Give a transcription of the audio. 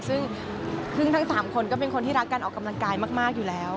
ซึ่งทั้ง๓คนก็เป็นคนที่รักการออกกำลังกายมากอยู่แล้ว